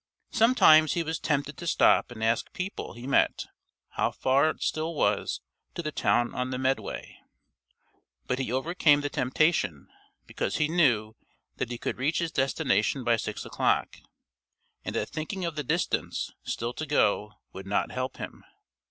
Sometimes he was tempted to stop and ask people he met how far it still was to the town on the Medway, but he overcame the temptation, because he knew that he could reach his destination by six o'clock, and that thinking of the distance still to go would not help him.